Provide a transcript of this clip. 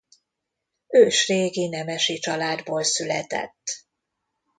Ősrégi nemesi családból született.